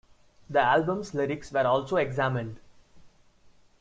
The album's lyrics were also examined.